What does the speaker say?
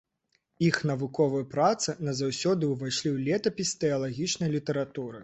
Іх навуковыя працы назаўсёды ўвайшлі ў летапіс тэалагічнай літаратуры.